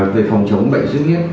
về phòng chống bệnh suy biết